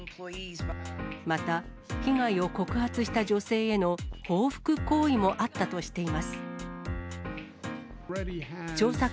また、被害を告発した女性への報復行為もあったとしています。